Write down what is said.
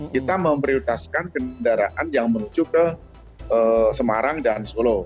kita memprioritaskan kendaraan yang menuju ke semarang dan solo